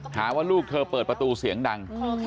หาว่าลูกเธอเปิดประตูเสียงดัง